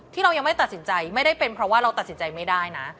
ที่เรายังไม่ตัดสินใจไม่ได้เป็นเพราะว่าเราตัดสินใจไม่ได้นะ